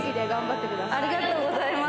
ありがとうございます。